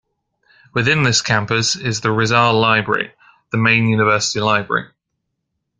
Within this campus is the Rizal Library, the main university library.